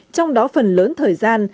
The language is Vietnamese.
trong đó phần lớn thời gian